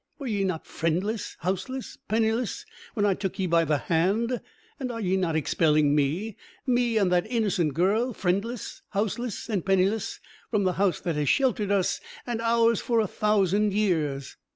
Were ye not friendless, houseless, penniless, when I took ye by the hand; and are ye not expelling me me, and that innocent girl friendless, houseless, and penniless, from the house that has sheltered us and ours for a thousand years?"